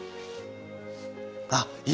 あっいい！